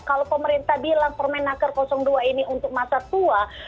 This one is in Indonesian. kalau pemerintah bilang permenaker dua ini untuk masa tua